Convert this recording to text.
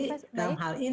jadi dalam hal ini